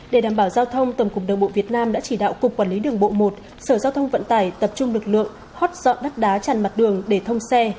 để đảm bảo giao thông tổng cục đường bộ việt nam đã chỉ đạo cục quản lý đường bộ một sở giao thông vận tải tập trung lực lượng hot dọn đất đá tràn mặt đường để thông xe